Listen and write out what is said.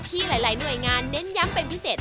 ที่หลายหน่วยงานเน้นย้ำเป็นพิเศษ